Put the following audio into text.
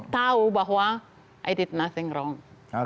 tahu bahwa saya tidak melakukan apa apa yang salah